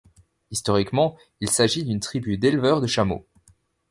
Historiquement, il s'agit d'une tribu d'éleveurs de chameaux.